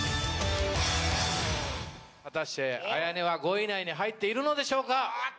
果たしてＡＹＡＮＥは５位以内に入っているのでしょうか？